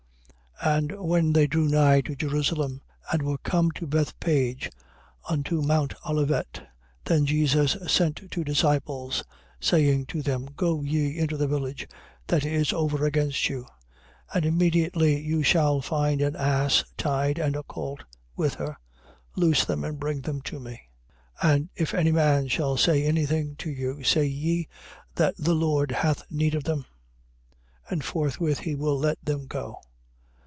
21:1. And when they drew nigh to Jerusalem and were come to Bethphage, unto mount Olivet, then Jesus sent two disciples, 21:2. Saying to them: Go ye into the village that is over against you: and immediately you shall find an ass tied and a colt with her. Loose them and bring them to me. 21:3. And if any man shall say anything to you, say ye that the Lord hath need of them. And forthwith he will let them go.